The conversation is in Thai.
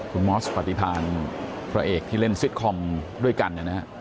คุณมอสปฏิพันธ์พระเอกที่เล่นซิตคอมด้วยกันนะฮะ